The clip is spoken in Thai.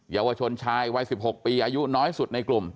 เยาวชนชายวัย๑๖ปีอายุน้อยสุดในกลุ่ม